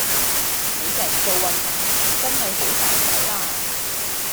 你成日唔做運動真係好孱仔啦